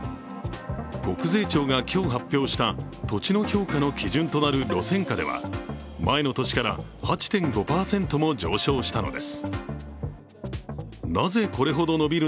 国税庁が今日発表した土地の評価の基準となる路線価では前の年から８．５％も上昇したのです。